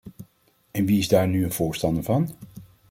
En wie is daar nu een voorstander van?